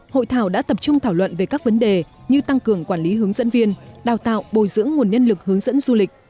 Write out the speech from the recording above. hội thảo đã tập trung thảo luận về các vấn đề như tăng cường quản lý hướng dẫn viên đào tạo bồi dưỡng nguồn nhân lực hướng dẫn du lịch